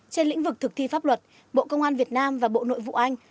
trên lĩnh vực thực thi pháp luật bộ công an việt nam và bộ nội vụ anh